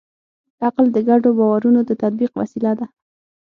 عقل د ګډو باورونو د تطبیق وسیله ده.